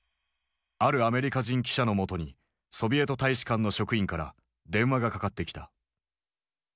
あるアメリカ人記者の元にソビエト大使館の職員から電話がかかってきた。